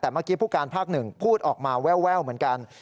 แต่เมื่อกี้ผู้การภาคหนึ่งพูดออกมาแววเหมือนกัน